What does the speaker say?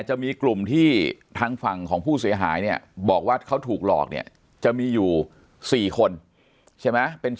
จะมีกลุ่มที่ทางฝั่งของผู้เสียหายเนี่ยบอกว่าเขาถูกหลอกเนี่ยจะมีอยู่๔คนใช่ไหม